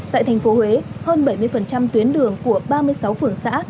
tại thành phố huế hơn bảy mươi tuyến đường của ba mươi sáu phường xã